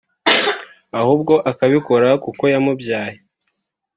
ahubwo akabikora kuko yamubyaye